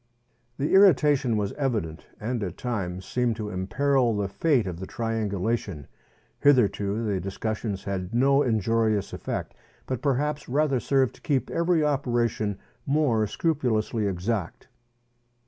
The irritation was evident, and at times seemed to imperil the fate of the triangulation. Hitherto the discussions had had no injurious effect, but perhaps rather served to keep every operation more scrupulously exact.